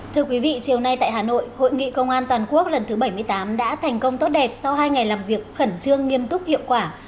thưa quý vị chiều nay tại hà nội hội nghị công an toàn quốc lần thứ bảy mươi tám đã thành công tốt đẹp sau hai ngày làm việc khẩn trương nghiêm túc hiệu quả